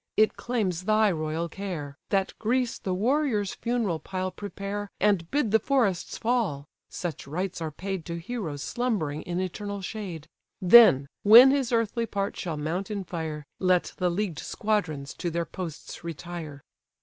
it claims thy royal care, That Greece the warrior's funeral pile prepare, And bid the forests fall: (such rites are paid To heroes slumbering in eternal shade:) Then, when his earthly part shall mount in fire, Let the leagued squadrons to their posts retire."